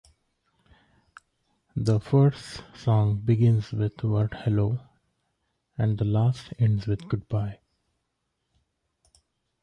The first song begins with the word "Hello" and the last ends with "Goodbye.